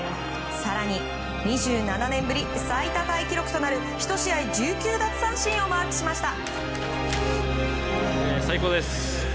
更に、２７年ぶり最多タイ記録となる１試合１９奪三振をマークしました。